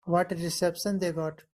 What a reception they got.